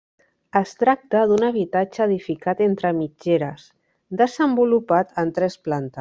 Es tracta d'un habitatge edificat entre mitgeres, desenvolupat en tres plantes.